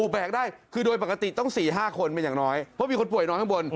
แบกได้คือโดยปกติต้อง๔๕คนเป็นอย่างน้อยเพราะมีคนป่วยนอนข้างบน